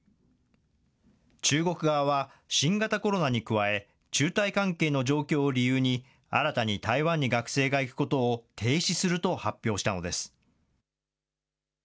中国側は、新型コロナに加え、中台関係の状況を理由に、新たに台湾に学生が行くことを停止すると発表したのです。